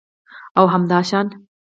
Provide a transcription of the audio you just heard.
او همداشان